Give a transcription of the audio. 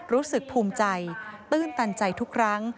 รู้สึกภูมิใจตื้นตันใจทุกครั้ง